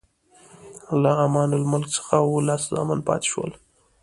له امان الملک څخه اووه لس زامن پاتې شول.